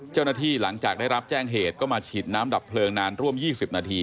หลังจากได้รับแจ้งเหตุก็มาฉีดน้ำดับเพลิงนานร่วม๒๐นาที